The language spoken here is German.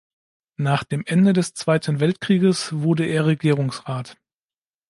Nach dem Ende des Zweiten Weltkrieges wurde er Regierungsrat.